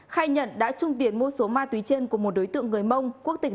khai nhận đã trung tiện mua số ma túy trên của một đối tượng người mông